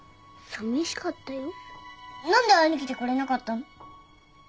何で会いに来てくれなかったの？